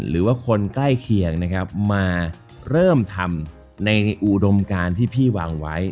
หรือว่าคนใกล้เคียงนะครับมาเริ่มทำในอุดมการที่พี่วางไว้